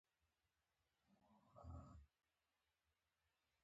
د پښتو هنرمندانو نوم به نوره نړۍ واوري.